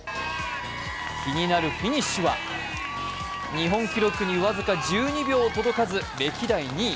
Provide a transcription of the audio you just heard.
気になるフィニッシュは日本記録に僅か１２秒届かず歴代２位。